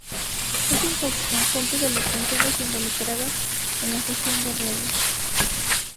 Es un subconjunto de las funciones involucradas en la gestión de redes.